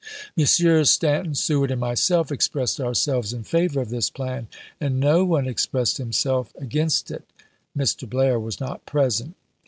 Messrs. Stanton, Seward, and myself expressed ourselves in favor of this plan, and no one expressed himself against it. (Mr. Blair was not present.)